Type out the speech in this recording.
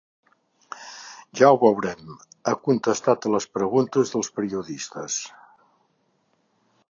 Ja ho veurem, ha contestat a les preguntes dels periodistes.